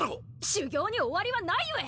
修行に終わりはないゆえ！